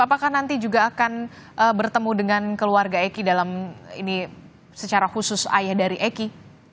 apakah nanti juga akan bertemu dengan keluarga eki dalam ini secara khusus ayah dari eki